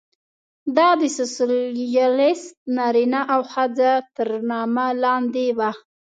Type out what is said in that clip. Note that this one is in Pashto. دا د سوسیالېست نارینه او ښځه تر نامه لاندې وه.